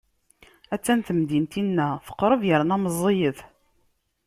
A-tt-an temdint-inna, teqreb yerna meẓẓiyet.